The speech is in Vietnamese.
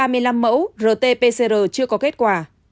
ba sáu trăm ba mươi năm mẫu rt pcr chưa có kết quả